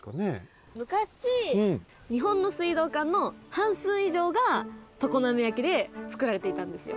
むかし日本の水道管の半数以上が常滑焼でつくられていたんですよ。